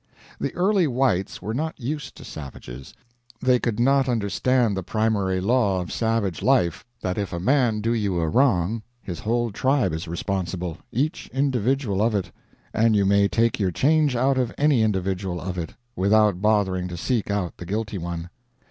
The early whites were not used to savages. They could not understand the primary law of savage life: that if a man do you a wrong, his whole tribe is responsible each individual of it and you may take your change out of any individual of it, without bothering to seek out the guilty one.